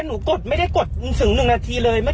คุณผู้ชมไปดูอีกหนึ่งเรื่องนะคะครับ